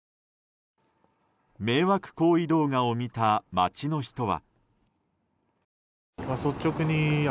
迷惑行為動画を見た街の人は。